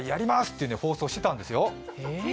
って放送をしていたんですよ。